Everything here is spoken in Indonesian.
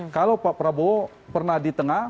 kalau pak prabowo pernah di tengah